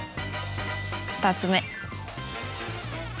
２つ目。